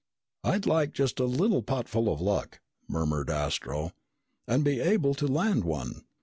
"I'd like just a little potful of luck," murmured Astro, "and be able to land one."